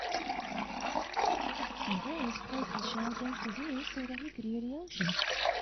Andreas placed the shell against his ear so he could hear the ocean.